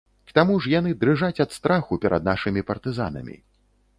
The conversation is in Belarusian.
К таму ж яны дрыжаць ад страху перад нашымі партызанамі.